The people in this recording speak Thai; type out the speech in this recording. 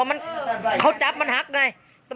เฮ้ยเห้ยเห้ยเห้ยเห้ยเห้ยเห้ยเห้ยเห้ยเห้ยเห้ย